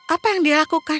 apa yang dia lakukan